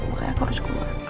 makanya aku harus keluar